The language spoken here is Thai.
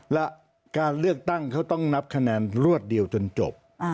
และการเลือกตั้งเขาต้องนับคะแนนรวดเดียวจนจบ